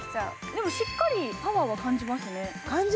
でもしっかりパワーは感じますね。